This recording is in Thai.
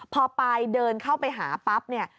พอปายเดินเข้าไปหาปั๊บเนี่ย